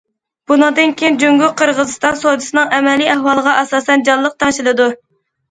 بۇنىڭدىن كېيىن، جۇڭگو- قىرغىزىستان سودىسىنىڭ ئەمەلىي ئەھۋالىغا ئاساسەن جانلىق تەڭشىلىدۇ.